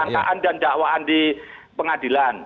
sangkaan dan dakwaan di pengadilan